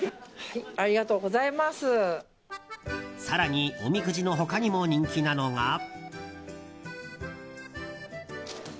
更に、おみくじの他にも人気なのが。